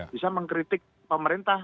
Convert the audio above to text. bisa mengkritik pemerintah